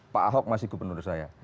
pak ahok masih gubernur saya